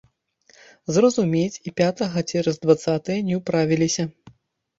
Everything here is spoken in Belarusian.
Зразумець і пятага цераз дваццатае не ўправіліся.